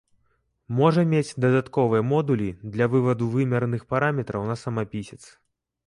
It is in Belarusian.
Можа мець дадатковыя модулі для вываду вымераных параметраў на самапісец.